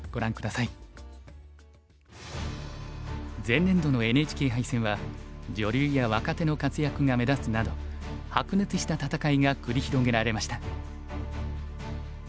前年度のＮＨＫ杯戦は女流や若手の活躍が目立つなど白熱した戦いが繰り広げられました。